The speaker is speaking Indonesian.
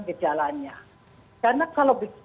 gejalanya karena kalau